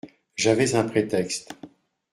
J’avais un prétexte.